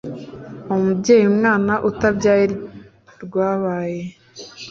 umubyeyi umwana utabyaye rwabaye